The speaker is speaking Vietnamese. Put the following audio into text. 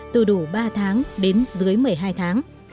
từ đủ ba tháng đến dưới một mươi hai tháng